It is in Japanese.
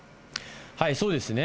そうですね。